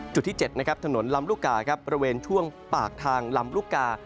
จุดที่เจ็ดถนนลำลุกกาบริเวณช่วงปากทางลำลุกกา